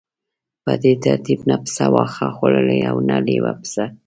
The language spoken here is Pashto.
په دې ترتیب نه پسه واښه خوړلی او نه لیوه پسه.